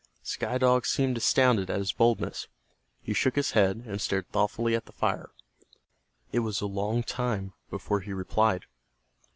Sky Dog seemed astounded at his boldness. He shook his head, and stared thoughtfully at the fire. It was a long time before he replied.